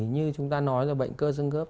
như chúng ta nói là bệnh cơ sương gớp